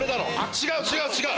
違う違う違う！